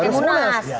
harus pakai munas